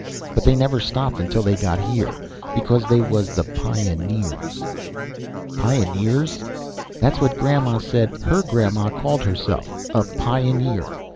But they never stopped until they got here. Because they was the pioneers." "Pioneers?" "That's what Grandma said her Grandma called herself. A pioneer.